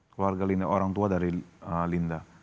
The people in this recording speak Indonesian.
keluarga orang tua dari linda